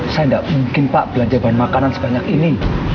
saya tidak mungkin pak belanja bahan makanan sebanyak ini